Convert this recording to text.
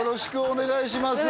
お願いします